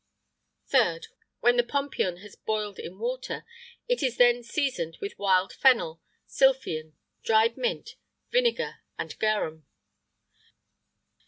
[IX 111] 3rd. When the pompion has boiled in water, it is then seasoned with wild fennel, sylphium,[IX 112] dried mint, vinegar, and garum.